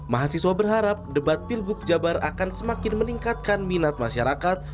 mahasiswa berharap debat pilgub jabar akan semakin meningkatkan minat masyarakat